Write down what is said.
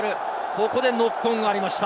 ここでノックオンがありました。